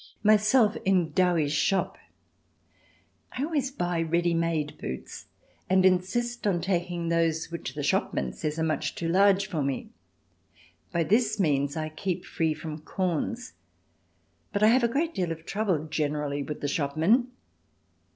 Myself in Dowie's Shop I always buy ready made boots and insist on taking those which the shopman says are much too large for me. By this means I keep free from corns, but I have a great deal of trouble generally with the shopman.